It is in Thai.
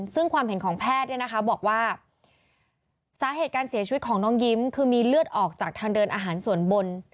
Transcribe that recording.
ซึ่งความเห็นของแพทย์บอกว่าสาเหตุการเสียชีวิตของน้องยิ้มคือมีเลือดออกจากทางเดินอาหารส่วนบน